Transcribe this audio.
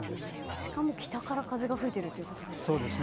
しかも北から風が吹いているということですね。